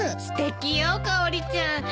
すてきよかおりちゃん。